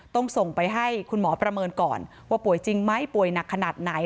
ต้องส่งไปให้คุณหมอประเมินก่อนว่าป่วยจริงไหมป่วยหนักขนาดไหน